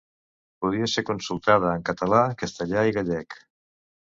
Podia ser consultada en català, castellà i gallec.